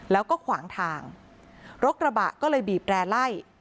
แล้วก็ขวางทางรถกระบะก็เลยบีบแร่ไล่